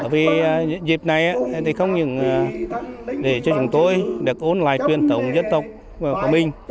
vì dịp này thì không những để cho chúng tôi được ôn lại truyền thống dân tộc của mình